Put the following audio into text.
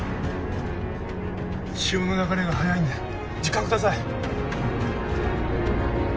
潮の流れが速いんで時間ください